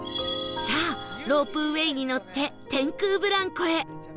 さあロープウェイに乗って天空ブランコへ